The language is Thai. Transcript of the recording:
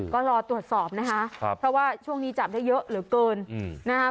ก็รอตรวจสอบนะคะเพราะว่าช่วงนี้จับได้เยอะเหลือเกินนะคะ